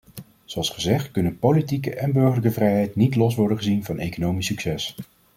Zoals gezegd kunnen politieke en burgerlijke vrijheid niet los worden gezien van economisch succes.